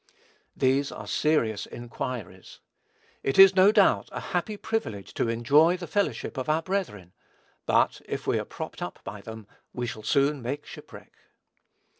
These are serious inquiries. It is, no doubt, a happy privilege to enjoy the fellowship of our brethren; but if we are propped up by them, we shall soon make shipwreck.